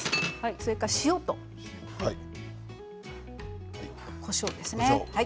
それから塩とこしょうですね。